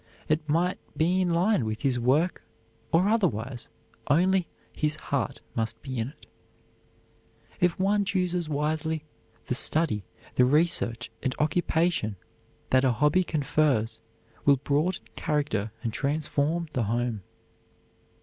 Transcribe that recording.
It might be in line with his work or otherwise, only his heart must be in it. If one chooses wisely, the study, research, and occupation that a hobby confers will broaden character and transform the home.